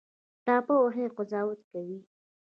ټاپه وهي او قضاوت کوي